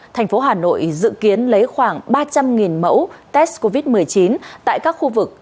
thành phố hà nội dự kiến lấy khoảng ba trăm linh mẫu test covid một mươi chín tại các khu vực